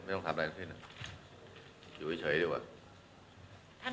ไม่ต้องทำอะไรทั้งสิ้นอยู่เฉยดีกว่า